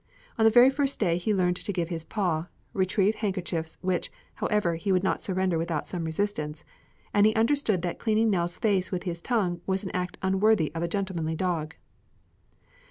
On the very first day he learned to give his paw, retrieve handkerchiefs, which, however, he would not surrender without some resistance, and he understood that cleaning Nell's face with his tongue was an act unworthy of a gentlemanly dog.